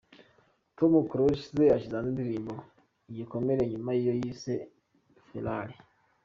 Tom Close ashyize hanze indirimbo “Igikomere” nyuma y’iyo yise “Ferrari”.